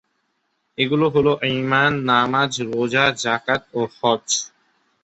এগুলো হলো ঈমান, নামাজ, রোজা, যাকাত ও হজ্জ।